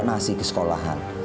bisa bawa nasi ke sekolahan